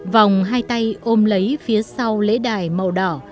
vòng hai tay ôm lấy phía sau lễ đài màu đỏ